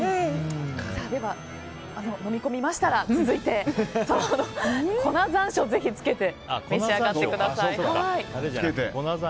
では、飲み込みましたら続いて、粉山椒をぜひ付けて召し上がってください。